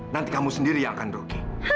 nanti kamu sendiri yang akan rugi